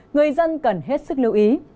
người dân cần hết sức lưu ý